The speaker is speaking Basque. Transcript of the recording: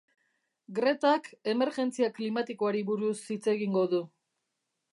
Gretak emergentzia klimatikoari buruz hitz egingo du.